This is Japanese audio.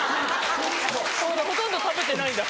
ほとんど食べてないんだ。